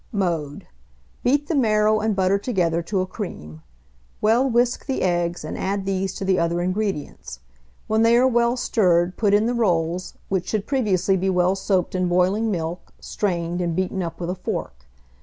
Mode. Beat the marrow and butter together to a cream; well whisk the eggs, and add these to the other ingredients. When they are well stirred, put in the rolls, which should previously be well soaked in boiling milk, strained, and beaten up with a fork.